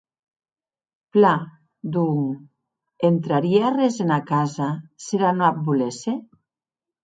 Plan, donc, entrarie arrés ena casa s’era non ac volesse?